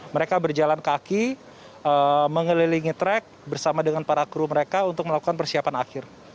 mereka berjalan kaki mengelilingi track bersama dengan para kru mereka untuk melakukan persiapan akhir